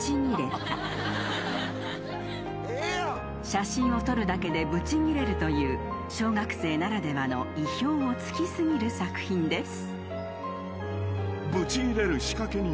［写真を撮るだけでぶちギレるという小学生ならではの意表を突き過ぎる作品です］